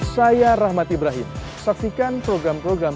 saya rahmat ibrahim saksikan program program